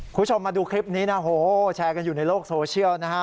คุณผู้ชมมาดูคลิปนี้นะโหแชร์กันอยู่ในโลกโซเชียลนะฮะ